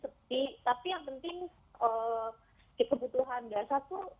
kebutuhan dasar itu